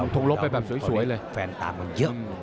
ทงลบไปแบบสวยเลย